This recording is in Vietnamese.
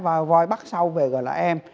và voi bắt sau về gọi là em